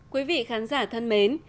quý vị khán giả thân mến